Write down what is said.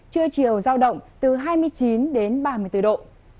trưa chiều giao động từ hai mươi chín đến ba mươi bốn độ